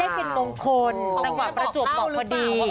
ไม่ได้เรียกเป็นมงคลตั้งวันประจวบบอกว่าดี